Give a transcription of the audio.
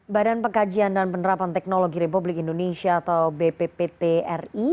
badan pengkajian dan penerapan teknologi republik indonesia atau bppt ri